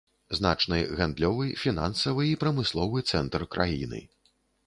Значны гандлёвы, фінансавы і прамысловы цэнтр краіны.